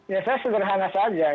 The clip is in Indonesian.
ya saya sederhana saja